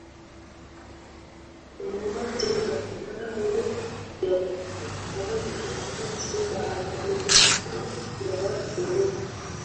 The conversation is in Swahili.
mauaji ya kimbari yalifuatwa na mauaji ya halaiki ya watu wote